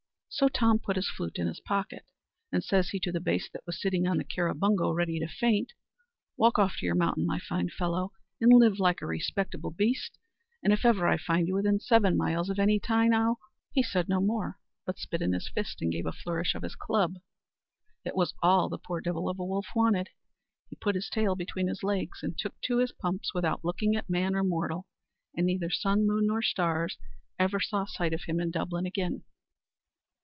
So Tom put his flute in his pocket, and says he to the baste that was sittin' on his currabingo ready to faint, "Walk off to your mountain, my fine fellow, and live like a respectable baste; and if ever I find you within seven miles of any town, I'll " He said no more, but spit in his fist, and gave a flourish of his club. It was all the poor divil of a wolf wanted: he put his tail between his legs, and took to his pumps without looking at man or mortal, and neither sun, moon, nor stars ever saw him in sight of Dublin again.